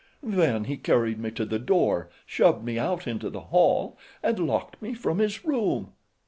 Then he carried me to the door, shoved me out into the hall and locked me from his room."